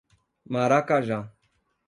Maracajá